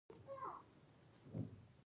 يا قناعت نه ورکوي.